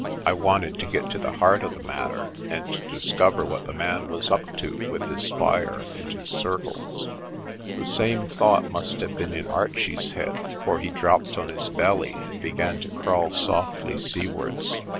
I wanted to get to the heart of the matter, and to discover what the man was up to with his fire and his circles. The same thought must have been in Archie's head, for he dropped on his belly and began to crawl softly seawards.